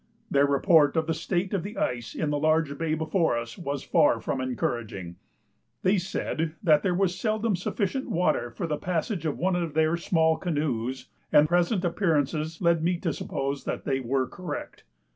Their report of the state of the ice in the large bay before us was far from encouraging; they said that there was seldom sufficient water for the passage of one of their small canoes, and present appearances led me to suppose that they were correct.